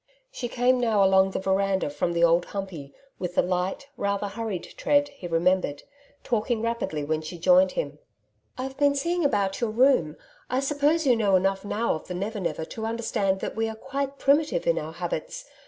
She cam now along the veranda from the Old Humpey with the light, rather hurried tread he remembered, talking rapidly when she joined him. 'I've been seeing about your room. I suppose you know enough now of the Never Never to understand that we are quite primitive in our habits.